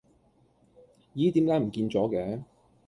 咦點解唔見咗嘅